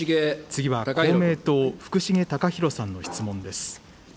次は公明党、福重隆浩さんの質問です。